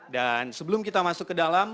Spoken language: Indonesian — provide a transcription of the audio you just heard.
dan sebelum kita masuk ke dalam